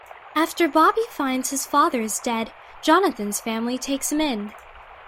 After Bobby finds his father is dead, Jonathan's family takes him in.